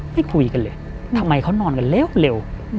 ไม่คุยกันเลยทำไมเขานอนกันเร็ว